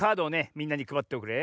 みんなにくばっておくれ。